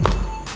ada lagi gak kak